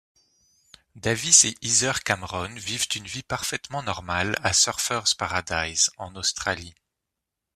Davis et Heather Cameron vivent une vie parfaitement normale à Surfer's Paradise, en Australie.